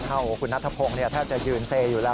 ของคุณนัทพงศ์แทบจะยืนเซอยู่แล้ว